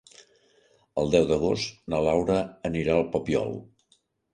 El deu d'agost na Laura anirà al Papiol.